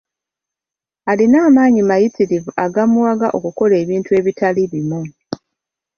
Alina amaanyi mayitririvu agamuwaga okukola ebintu ebitali bimu.